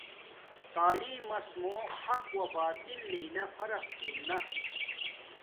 تعلیم ماس موں حق و باطل لنا فرق ارنا